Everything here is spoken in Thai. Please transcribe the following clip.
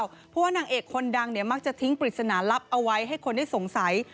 เพราะว่านางเอกคนดังเนี่ยมักจะทิ้งปริศนาลับเอาไว้ให้คนได้สงสัย